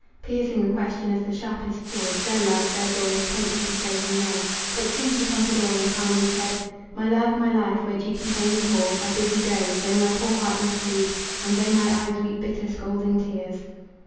Piercing the question as the sharpest sword; Their love, their joys, tempted to say him nay. But soon she conquered all and calmly said: "My love, my life, where duty plainly calls I bid you go, though my poor heart must bleed, And though my eyes weep bitter scalding tears."